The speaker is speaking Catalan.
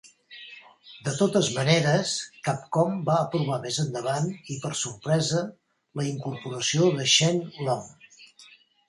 De totes maneres, Capcom va aprovar més endavant i per sorpresa la incorporació de Sheng Long.